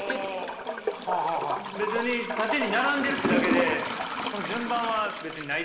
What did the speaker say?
別に縦に並んでるってだけで順番は別にないと。